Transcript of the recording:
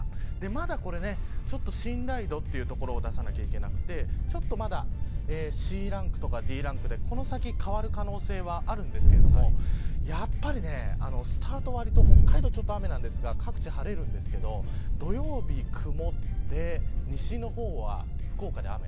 まだこれ信頼度というところを出さないといけなくてちょっとまだＣランクやＤランクでこの先変わる可能性はあるんですけどやっぱりスタートはわりと北海道は雨なんですが各地、晴れるんですけど土曜日曇って西の方は福岡で雨。